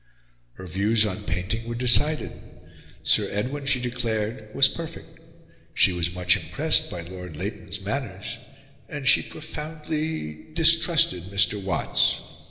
Her views on painting were decided; Sir Edwin, she declared, was perfect; she was much impressed by Lord Leighton's manners; and she profoundly distrusted Mr. Watts.